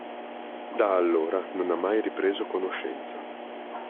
Da allora non ha mai ripreso conoscenza.